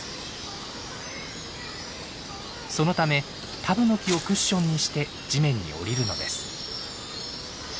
そのためタブノキをクッションにして地面に降りるのです。